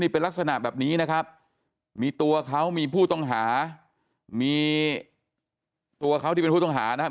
เป็นลักษณะแบบนี้นะครับมีตัวเขามีผู้ต้องหามีตัวเขาที่เป็นผู้ต้องหานะครับ